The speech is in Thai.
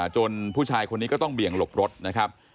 ผู้ชายคนนี้ก็ต้องเบี่ยงหลบรถนะครับ